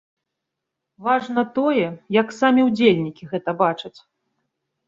Важна тое, як самі ўдзельнікі гэта бачаць.